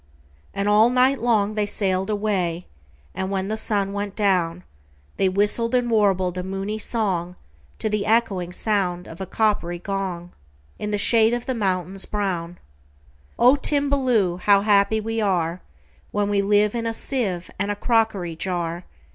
And all night long they sail'd away; And, when the sun went down, They whistled and warbled a moony songTo the echoing sound of a coppery gong, In the shade of the mountains brown,"O Timballoo! how happy we areWhen we live in a sieve and a crockery jar!